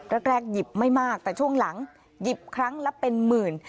แรกหยิบไม่มากแต่ช่วงหลังหยิบครั้งละเป็นหมื่น